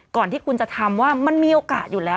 ก่อนที่คุณจะทำว่ามันมีโอกาสอยู่แล้ว